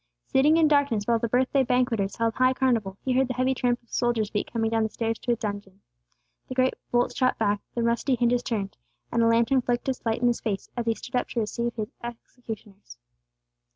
Sitting in darkness while the birthday banqueters held high carnival, he heard the heavy tramp of soldiers' feet coming down the stairs to his dungeon. The great bolts shot back, the rusty hinges turned, and a lantern flickered its light in his face, as he stood up to receive his executioners.